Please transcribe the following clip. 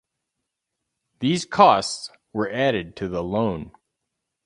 These costs were added to the loan.